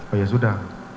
oh ya sudah